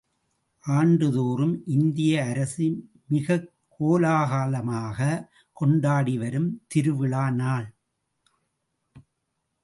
ஆண்டுதோறும் இந்திய அரசு மிகக் கோலாகலமாக கொண்டாடி வரும் விழா நாள்.